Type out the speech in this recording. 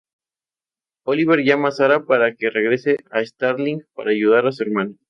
Oliver llama a Sara para que regrese a Starling para ayudar a su hermana.